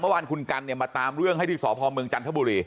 เมื่อวานคุณกันเนี่ยมาตามเรื่องให้ที่สพเมืองจันทบุรี